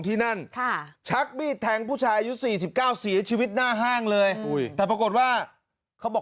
ที่นั่นชักมีดแทงผู้ชายอายุ๔๙เสียชีวิตหน้าห้างเลยแต่ปรากฏว่าเขาบอก